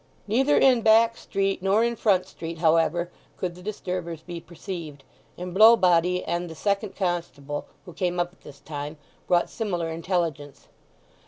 Neither in back street nor in front street, however, could the disturbers be perceived, and Blowbody and the second constable, who came up at this time, brought similar intelligence.